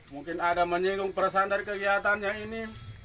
mungkin ada menyinggung persandar kegiatannya ini